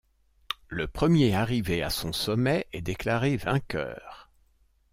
Le premier arrivé à son sommet est déclaré vainqueur.